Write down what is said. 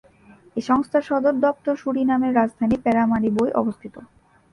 এই সংস্থার সদর দপ্তর সুরিনামের রাজধানী প্যারামারিবোয় অবস্থিত।